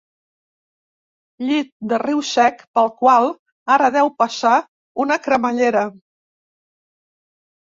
Llit de riu sec pel qual ara deu passar una cremallera.